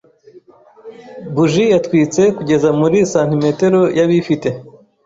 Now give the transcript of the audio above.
Buji yatwitse kugeza muri santimetero yabifite.